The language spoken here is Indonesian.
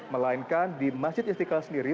melainkan di masjid istiqlal sendiri